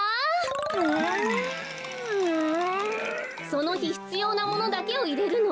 そのひひつようなものだけをいれるの。